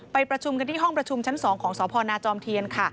ประชุมกันที่ห้องประชุมชั้น๒ของสพนจอมเทียน